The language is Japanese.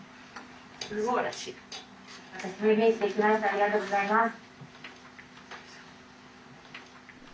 ありがとうございます。